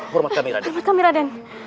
hormat kami raden